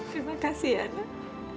terima kasih anak